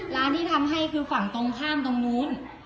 ร้านที่ทำให้คือฝั่งตรงข้ามตรงนู้น